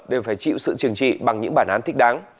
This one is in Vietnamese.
đều phải chịu sự trừng trị bằng những bản án thích đáng